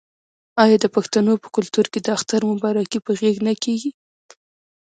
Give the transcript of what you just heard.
آیا د پښتنو په کلتور کې د اختر مبارکي په غیږ نه کیږي؟